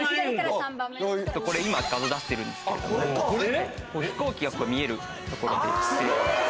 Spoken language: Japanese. これ今画像出してるんですけど飛行機が見える所で。